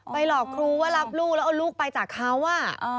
หลอกครูว่ารับลูกแล้วเอาลูกไปจากเขาอ่ะ